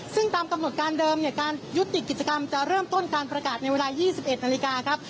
ซึ่งตามกำหนดการเดิมเนี่ยการยุติกิจกรรมจะเริ่มต้นการประกาศในเวลา๒๑นาฬิกาครับ